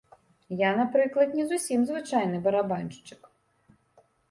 Я, напрыклад, не зусім звычайны барабаншчык.